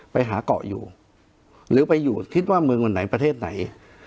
ไปหาเกาะอยู่หรือไปอยู่คิดว่าเมืองวันไหนประเทศไหน